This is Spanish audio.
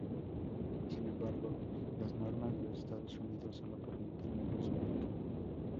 Sin embargo, las normas de Estados Unidos sólo permiten la luz blanca.